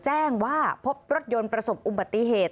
แจ้งว่าพบรถยนต์ประสบอุบัติเหตุ